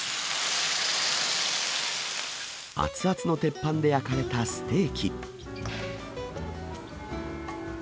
熱々の鉄板で焼かれたステーキ。